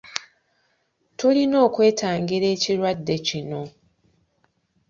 Tulina okwetangira ekirwadde kino.